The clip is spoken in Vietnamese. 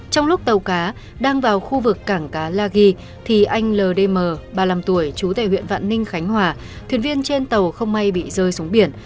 trong lúc tàu cá đang vào khu vực cảng cá la ghi thì anh ldm ba mươi năm tuổi chú tại huyện vạn ninh khánh hòa thuyền viên trên tàu không may bị rơi xuống biển